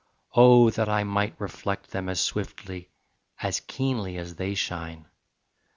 Oh that I might reflect them As swiftly, as keenly as they shine.